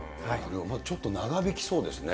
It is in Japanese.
ちょっと長引きそうですね。